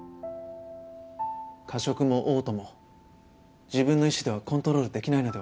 過食も嘔吐も自分の意志ではコントロールできないのではないですか？